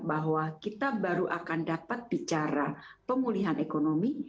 bahwa kita baru akan dapat bicara pemulihan ekonomi